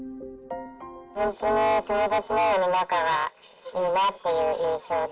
本当に友達のように仲がいいなっていう印象で。